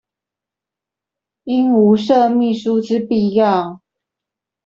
應無設秘書之必要